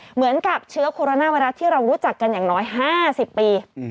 เหมือนกับเชื้อโคโรนาไวรัสที่เรารู้จักกันอย่างน้อย๕๐ปี